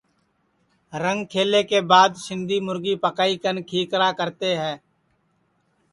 رنگ کھلے کے بعد سندھی مُرگی پکائی کن کھیکرا کرتے ہے